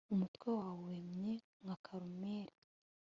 umutwe wawe wemye nka karumeli